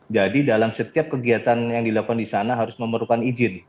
jadi dalam setiap kegiatan yang dilakukan di sana harus memerlukan izin